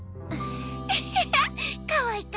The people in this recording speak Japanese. エヘヘかわいか！